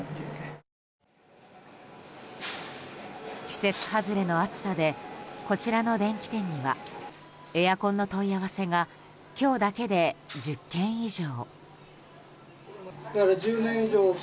季節外れの暑さでこちらの電器店にはエアコンの問い合わせが今日だけで１０件以上。